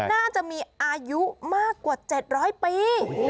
น่าจะมีอายุมากกว่า๗๐๐ปี